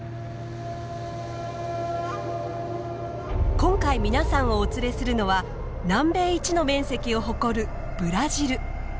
今回皆さんをお連れするのは南米一の面積を誇るブラジル。